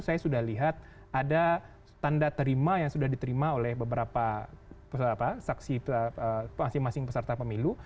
saya sudah lihat ada tanda terima yang sudah diterima oleh beberapa saksi masing masing peserta pemilu